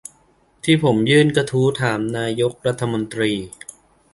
ที่ผมยื่นกระทู้ถามนายกรัฐมนตรี